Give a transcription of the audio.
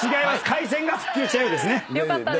回線が復旧したようですね。